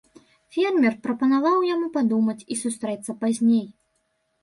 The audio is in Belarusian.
Фермер прапанаваў яму падумаць і сустрэцца пазней.